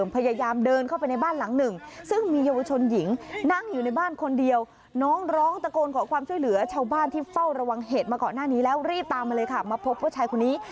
เพิ่งรีบตามมาเลยค่ะมาพบว่าชายคุณนี้